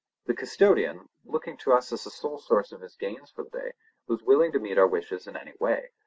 The custodian, looking to us as the sole source of his gains for the day, was willing to meet our wishes in any way.